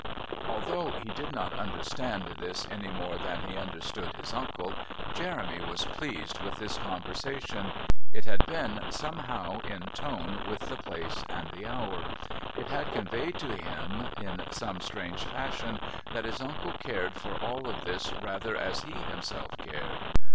Although he did not understand this any more than he understood his uncle, Jeremy was pleased with this conversation. It had been, somehow, in tone with the place and the hour; it had conveyed to him in some strange fashion that his uncle cared for all of this rather as he himself cared.